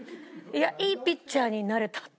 「いいピッチャーになれた」って。